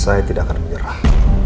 saya tidak akan menyerah